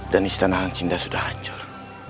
dan istana hangcinda sudah hancur